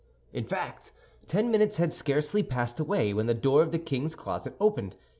In fact, ten minutes had scarcely passed away when the door of the king's closet opened, and M.